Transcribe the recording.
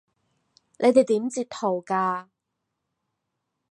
你哋點截圖㗎？